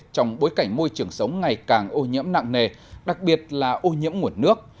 trong bối cảnh môi trường sống ngày càng ô nhiễm nặng nề đặc biệt là ô nhiễm nguồn nước